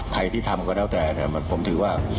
ใครที่ทำก็แล้วแต่ผมถือว่า